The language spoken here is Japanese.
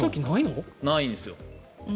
ないんですよ。